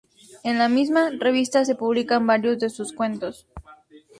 En la misma "Revista" se publican varios de sus cuentos.